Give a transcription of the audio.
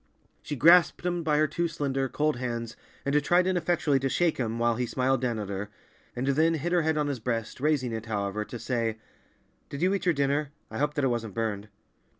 She grasped him by her two slender, cold hands and tried ineffectually to shake him while he smiled down at her, and then hid her head on his breast, raising it, however, to say, "Did you eat your dinner? I hope that it wasn't burned."